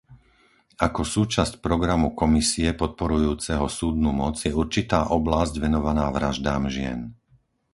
Ako súčasť programu Komisie podporujúceho súdnu moc je určitá oblasť venovaná vraždám žien.